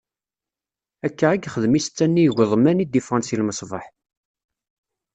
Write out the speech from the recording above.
Akka i yexdem i setta-nni n igeḍman i d-iffɣen si lmeṣbaḥ.